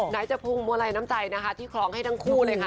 ไหนจะพุงมัวลัยน้ำใจนะคะที่คล้องให้ทั้งคู่เลยค่ะ